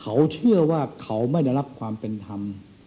เขาเชื่อว่าเขาไม่ได้รับความเป็นธรรม